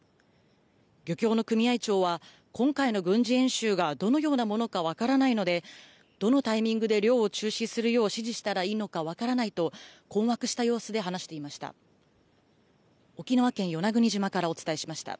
漁協の組合長は、今回の軍事演習がどのようなものか分からないので、どのタイミングで漁を中止するよう指示したらいいのか分からないと、困惑した様子で話していました。